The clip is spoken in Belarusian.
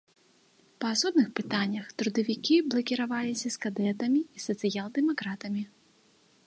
Па асобных пытаннях трудавікі блакіраваліся з кадэтамі і сацыял-дэмакратамі.